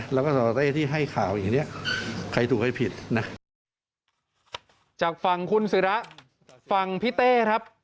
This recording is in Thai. และสตเต้ที่ให้ข่าวอย่างนี้